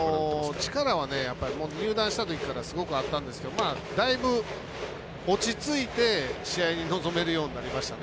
力は、入団したときからすごくあったんですけどだいぶ落ち着いて試合に臨めるようになりましたね。